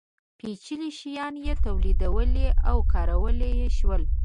پېچلي شیان یې تولیدولی او کارولی شول.